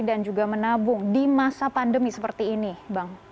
dan juga menabung di masa pandemi seperti ini bang